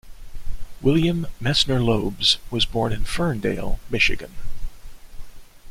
William Messner-Loebs was born in Ferndale, Michigan.